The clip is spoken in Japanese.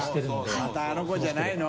またあの子じゃないの？